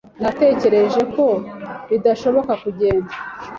Natekereje ko bidashoboka kugenda.